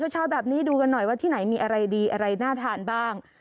เช้าแบบนี้ดูกันหน่อยว่าที่ไหนมีอะไรดีอะไรน่าทานบ้าง